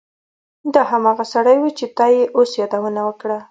دا هماغه سړی و چې تا یې اوس یادونه وکړه